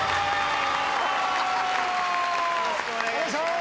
よろしくお願いします。